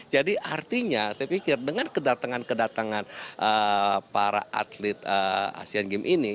jadi artinya saya pikir dengan kedatangan kedatangan para atlet asean games ini